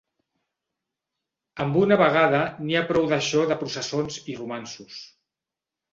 Amb una vegada n'hi ha prou d'això de processons i romanços